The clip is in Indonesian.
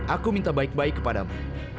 aku minta baik baik kepadamu